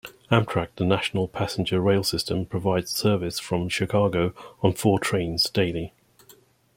Amtrak, the national passenger rail system, provides service from Chicago on four trains daily.